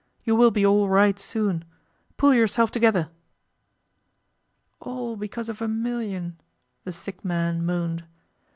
You will be all right soon. Pull yourself together.' 'All because of a million,' the sick man moaned.